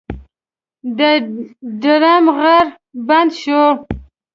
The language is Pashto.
د ډرم غږ بند شو.